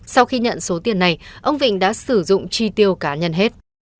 sau khi nhận số tiền này ông vịnh đã sử dụng chi tiêu cá nhân hết